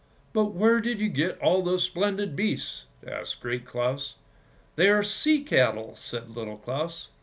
"" But where did you get all those splendid beasts? " asked Great Claus. :' They are sea cattle," said Little Claus.